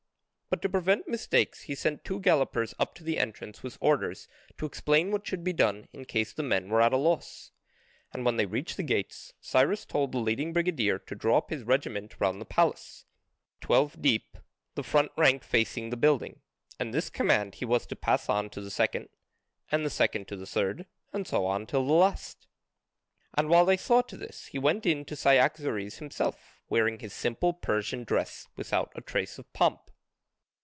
But to prevent mistakes he sent two gallopers up to the entrance with orders to explain what should be done in case the men were at a loss. And when they reached the gates, Cyrus told the leading brigadier to draw up his regiment round the palace, twelve deep, the front rank facing the building, and this command he was to pass on to the second, and the second to the third, and so on till the last. And while they saw to this he went in to Cyaxares himself, wearing his simple Persian dress without a trace of pomp.